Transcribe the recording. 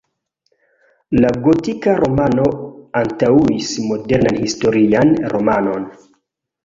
La gotika romano antaŭis modernan historian romanon.